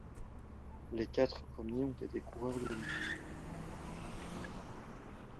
Les quatre premiers ont été coureurs de l'équipe.